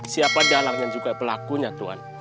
siapa dalangnya juga pelakunya tuhan